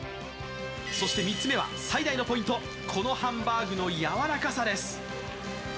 そして３つ目は最大のポイント、このハンバーグのやわらかさです。